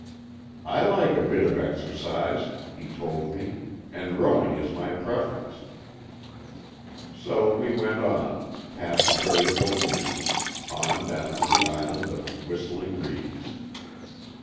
"I like a bit of exercise," he told me, "and rowing is my preference." So we went on, past Variable Winds, on down to the Island of Whistling Reeds.